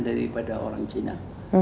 daripada orang cina